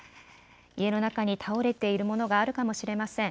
家の中に倒れているものがあるかもしれません。